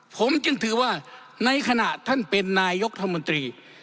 ผมจึงถือว่าในขณะท่านเป็นนายกรัฐมนตรี